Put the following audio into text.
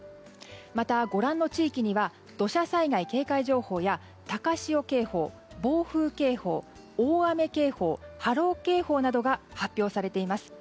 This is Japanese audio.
また、ご覧の地域には土砂災害警戒情報や高潮警報、暴風警報、大雨警報波浪警報などが発表されています。